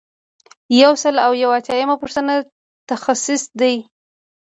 یو سل او یو اتیایمه پوښتنه تخصیص دی.